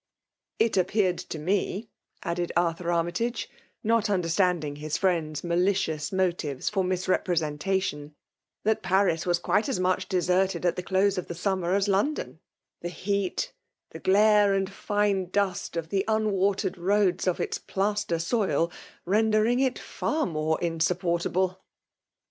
"It appeared to me," added Arthur Army taj^e^ not understanding his friend's malicious motives for misrepresentation, ''that Paris was quite as much deserted at the close of the summer/ as London :— the heat, the glare and fiiie' dust of the unWatered I'oads of its plaster 8o3> rendering it far more insupportable. I 190 FEMALE DOMINATION.